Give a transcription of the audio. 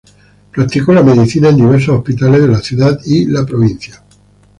Practicó la medicina en diversos hospitales de la ciudad y la provincia.